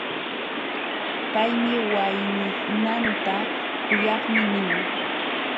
Paymi waynanta: kuyakmi nin.